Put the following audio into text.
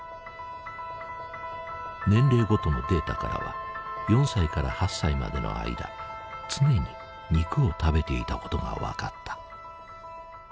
年齢ごとのデータからは４歳から８歳までの間常に肉を食べていたことが分かった。